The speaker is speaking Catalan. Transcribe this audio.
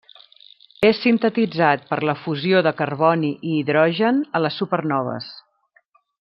És sintetitzat per la fusió de carboni i hidrogen a les supernoves.